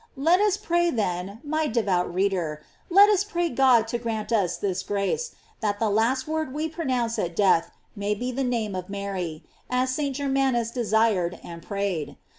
* Let us pray, then, my devout reader, let us pray God to grant us this grace, that the last word we pro nounce at death may be the name of Mary; as St. Germanus desired and prayed.